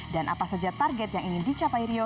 apa saja target yang ingin dicapai rio